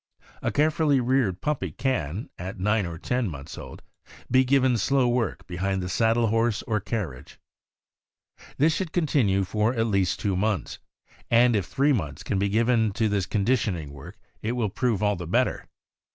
A carefully reared puppy can, at nine or ten 180 THE AMERICAN BOOK OF THE DOG. months old, be given slow work behind the saddle horse or carriage. This should continue for at least two months; and if three months can be given to this conditioning work, it will prove all the better.